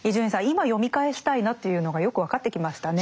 今読み返したいなというのがよく分かってきましたね。